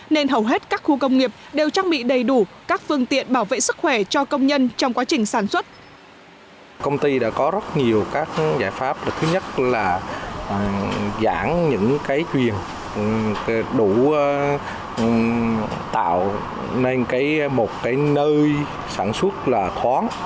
nên hầu hết các khu công nghiệp đều trang bị đầy đủ các phương tiện bảo vệ sức khỏe cho công nhân trong quá trình sản xuất